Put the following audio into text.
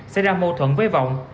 xe ra mâu thuẫn với vọng